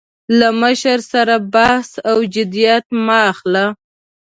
له مشر سره بحث او جدیت مه اخله.